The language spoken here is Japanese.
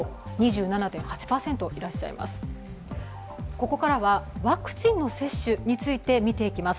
ここからはワクチンの接種について見ていきます。